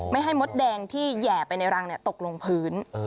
ไม่ให้มดแดงที่แห่ไปในรังตกลงพื้น